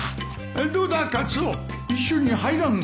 どうだカツオ一緒に入らんか？